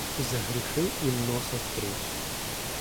І за гріхи їм носа втруть.